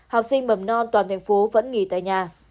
học sinh mầm non toàn thành phố vẫn nghỉ tại nhà